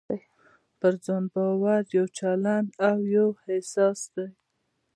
په ځان باور يو چلند او يو احساس دی.